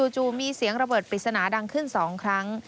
จู่มีเสียงระเบิดปริศนาดังขึ้น๒ครั้ง